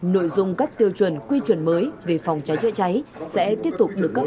nội dung các tiêu chuẩn quy chuẩn mới về phòng cháy chữa cháy sẽ tiếp tục được các cơ quan quản lý nhấn mục đích